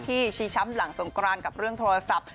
ชี้ช้ำหลังสงกรานกับเรื่องโทรศัพท์